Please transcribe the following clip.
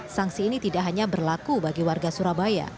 sanksi ini tidak hanya berlaku bagi warga surabaya